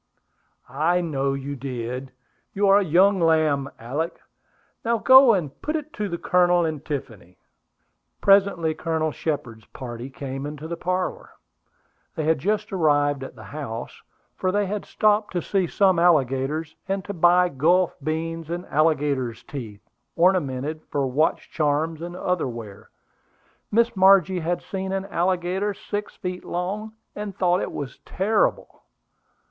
"I know you did. You are a young lamb, Alick. Now go and put it to the Colonel and Tiffany." Presently Colonel Shepard's party came into the parlor. They had just arrived at the house, for they had stopped to see some alligators, and to buy Gulf beans and alligator's teeth, ornamented, for watch charms and other wear. Miss Margie had seen an alligator six feet long, and thought he was very terrible.